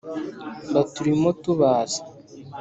baturimo tubazi